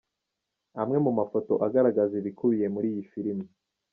Amwe mu mafoto agaragaza ibikubiye muri iyi filimu.